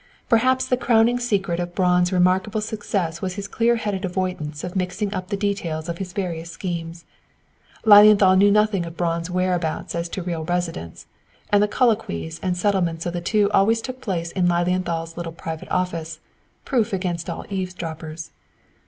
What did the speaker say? Perhaps the crowning secret of Braun's remarkable success was his clear headed avoidance of mixing up the details of his various schemes. Lilienthal knew nothing of Braun's whereabouts as to a real residence, and the colloquies and settlements of the two always took place in Lilienthal's little private office, proof against all eavesdroppers.